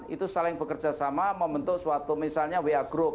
itu saling bekerja sama membentuk suatu misalnya wa group